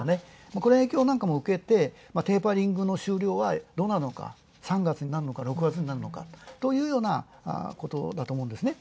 この影響なんかも受けてテーパリングの終了はどうなのか、３月になるか６月になるのかというようなことだと思います。